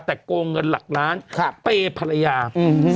แต่โกงเงินหลักล้านเปย์ภรรยา